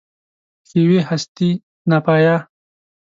د ښېوې هستي ناپایه